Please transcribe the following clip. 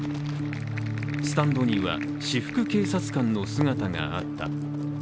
スタンドには、私服警察官の姿があった。